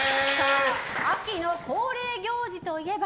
秋の恒例行事といえば。